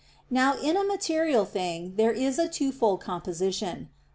Now in a material thing there is a twofold composition.